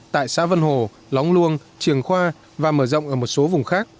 tại xã vân hồ lóng luông trường khoa và mở rộng ở một số vùng khác